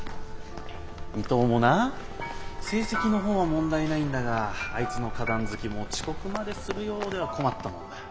伊藤もな成績の方は問題ないんだがあいつの花壇好きも遅刻までするようでは困ったもんだ。